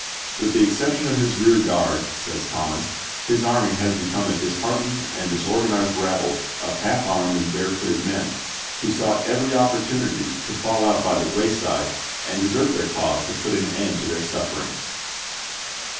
" With the exception of his rear guard," says Thomas, " his army had become a dis heartened and disorganized rabble of half armed and barefooted men, who sought every opportunity to fall out by the wayside and desert their cause to put an end to their sufferings."